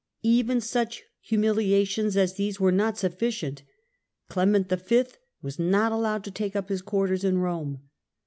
Even such humiliations as these were not sufficient : Clement V. was not allowed to take up his quarters in Eome.